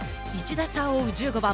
１打差を追う１５番。